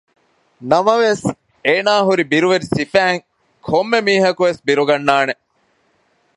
ނަމަވެސް އޭނާ ހުރި ބިރުވެރި ސިފައިން ކޮންމެ މީހަކުވެސް ބިރުގަންނާނެ